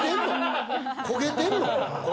焦げてんの？